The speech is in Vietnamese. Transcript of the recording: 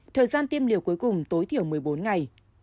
thời gian tiêm liều cuối cùng tối thiểu một mươi bốn ngày